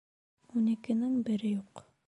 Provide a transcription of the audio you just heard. Ун икенең бере юҡ.